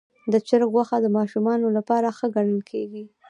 د چرګ غوښه د ماشومانو لپاره ښه ګڼل کېږي.